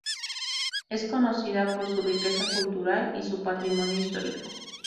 Es conocida por su riqueza cultural y su patrimonio histórico.